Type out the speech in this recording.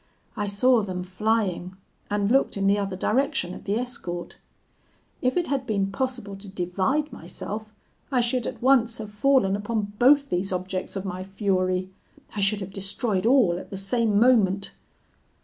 I saw them flying, and looked in the other direction at the escort: if it had been possible to divide myself, I should at once have fallen upon both these objects of my fury; I should have destroyed all at the same moment.